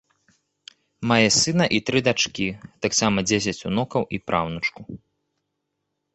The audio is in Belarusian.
Мае сына і тры дачкі, а таксама дзесяць унукаў і праўнучку.